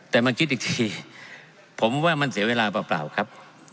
แต่มาคิดอีกทีผมว่ามันเสียเวลาเปล่าครับ